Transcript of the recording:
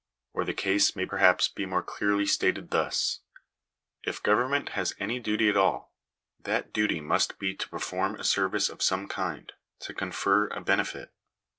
Or the case may perhaps be more clearly stated thus :— If government has any duty at all, that duty must be to perform a service of some kind — to confer a benefit.